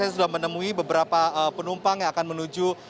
saya sudah menemui beberapa penumpang yang akan menuju